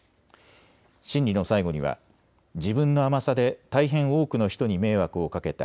審理の最後には自分の甘さで大変多くの人に迷惑をかけた。